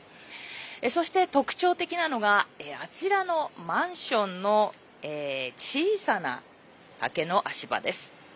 そして特徴的なのがあちらのマンションの小さな竹の足場です。